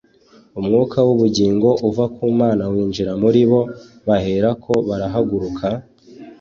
umwuka w’ubugingo uva ku Mana winjira muri bo baherako barahaguruka,